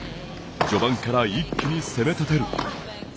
序盤から一気に攻めたてる。